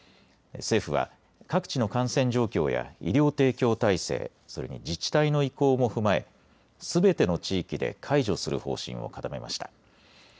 政府は、各地の感染状況や医療提供体制、それに自治体の意向も踏まえすべての地域で解除する方針を固めました。